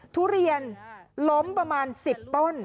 ทุเรียนล้มประมาณ๑๐ต้น